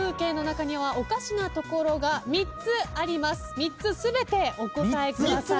３つ全てお答えください。